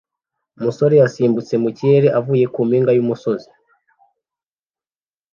Umusore yasimbutse mu kirere avuye ku mpinga y'umusozi